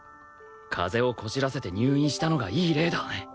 風邪をこじらせて入院したのがいい例だ